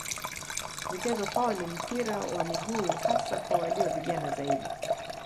Michezo kwao ni mpira wa miguu hasa kwa walio vijana zaidi.